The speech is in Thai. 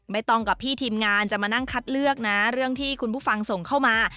ตรงกับพี่ทีมงานจะมานั่งคัดเลือกนะเรื่องที่คุณผู้ฟังส่งเข้ามา